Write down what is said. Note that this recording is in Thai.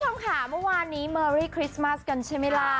ทุกคนค่ะเมื่อวานนี้เมอร์รี่คริสต์มาสกันใช่ไหมล่ะ